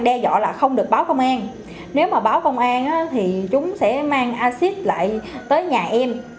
đe dọa là không được báo công an nếu mà báo công an thì chúng sẽ mang acid lại tới nhà em